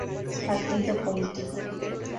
Partido Político